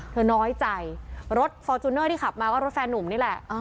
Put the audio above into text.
น้อยใจรถฟอร์จูเนอร์ที่ขับมาก็รถแฟนนุ่มนี่แหละ